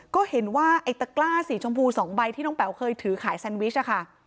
ก็เห็นว่าไอ้ตะกล้าสีชมพู๒ใบที่น้องแป๋วเคยถือขายแซนวิชอะค่ะ